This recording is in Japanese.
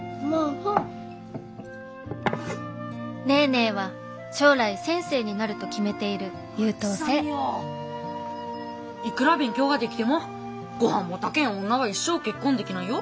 ネーネーは将来先生になると決めている優等生いくら勉強ができてもごはんも炊けん女は一生結婚できないよ。